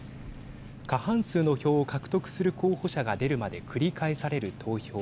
過半数の票を獲得する候補者が出るまで繰り返される投票。